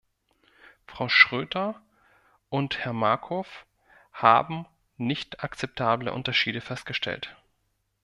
Frau Schroedter und Herr Markov haben nicht akzeptable Unterschiede festgestellt.